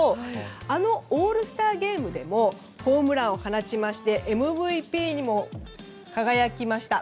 あのオールスターゲームでもホームランを放ちましてＭＶＰにも輝きました。